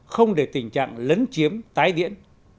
không để tình trạng lấn chiếm tái điển